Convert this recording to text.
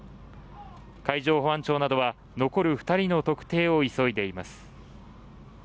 海上保安庁などは残る２人の特定を急いでいます。